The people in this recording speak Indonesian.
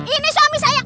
ini suami saya